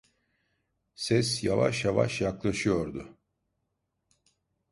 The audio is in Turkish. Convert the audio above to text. Ses yavaş yavaş yaklaşıyordu.